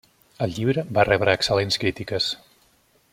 El llibre va rebre excel·lents crítiques.